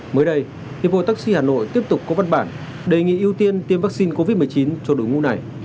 mới đây hiệp hội taxi hà nội tiếp tục có văn bản đề nghị ưu tiên tiêm vaccine covid một mươi chín cho đội ngũ này